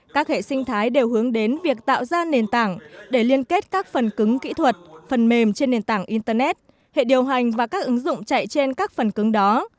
các hệ sinh thái đều hướng đến việc tạo ra nền tảng để liên kết các phần cứng kỹ thuật phần mềm trên nền tảng internet hệ điều hành và các ứng dụng chạy trên các phần cứng đó